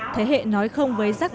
thế hệ nói không với rác hải nhựa